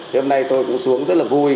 thì hôm nay tôi cũng xuống rất là vui